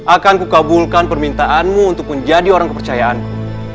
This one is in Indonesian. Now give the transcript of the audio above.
akanku kabulkan permintaanmu untuk menjadi orang kepercayaanku